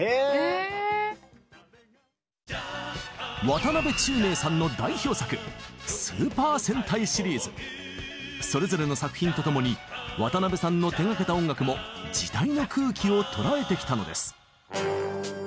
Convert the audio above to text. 渡辺宙明さんの代表作それぞれの作品と共に渡辺さんの手がけた音楽も時代の空気を捉えてきたのです。